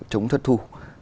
chống thất thu